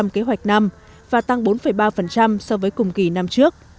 kế hoạch năm và tăng bốn ba so với cùng kỳ năm trước